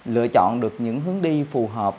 lựa chọn được những hướng đi phù hợp